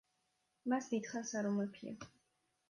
მას დიდხანს არ უმეფია.